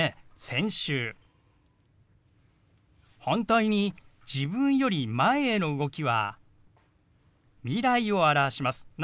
反対に自分より前への動きは未来を表します。